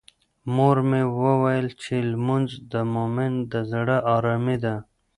مور مې وویل چې لمونځ د مومن د زړه ارامي ده.